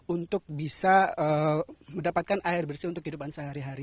untuk bisa mendapatkan air bersih untuk kehidupan sehari hari